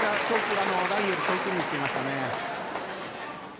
取りラインより遠くにいっていました。